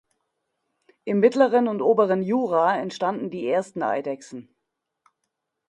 Im Mittleren und Oberen Jura entstanden die ersten Eidechsen.